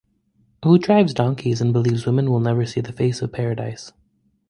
Who drives donkeys and believes women will never see the face of paradise.